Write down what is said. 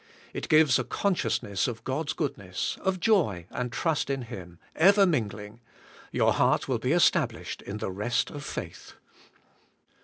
It gives a consciousness cf God's goodness, of joy and trust in Him, ever mingling; your heart will be established in the rest of faith.